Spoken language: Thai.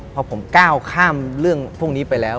พอผมก้าวข้ามเรื่องพวกนี้ไปแล้ว